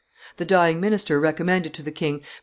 The dying minister recommended to the king MM.